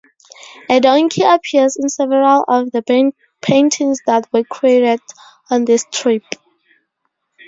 A donkey appears in several of the paintings that were created on this trip.